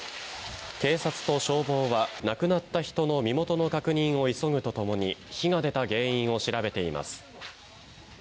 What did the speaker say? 警察と消防は亡くなった人の身元の確認を急ぐとともに火が出た原因を調べています。